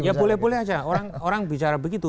ya boleh boleh aja orang bicara begitu